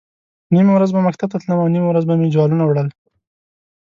نیمه ورځ به مکتب ته تلم او نیمه ورځ به مې جوالونه وړل.